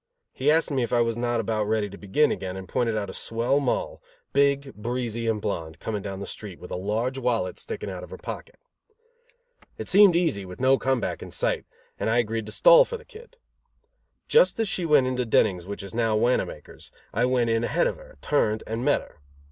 He asked me if I was not about ready to begin again, and pointed out a swell Moll, big, breezy and blonde, coming down the street, with a large wallet sticking out of her pocket. It seemed easy, with no come back in sight, and I agreed to stall for the Kid. Just as she went into Denning's which is now Wanamaker's, I went in ahead of her, turned and met her.